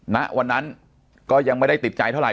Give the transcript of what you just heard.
ณวันนั้นก็ยังไม่ได้ติดใจเท่าไห